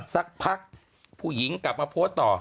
สักพักผู้หญิงกลับมาโพสต์ต่อ